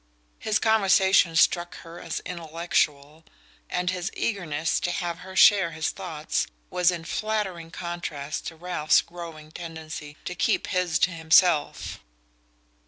His conversation struck her as intellectual, and his eagerness to have her share his thoughts was in flattering contrast to Ralph's growing tendency to keep his to himself.